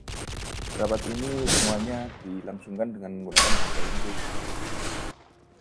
Rapat ini kesemuanya dilangsungkan dengan menggunakan bahasa Inggris.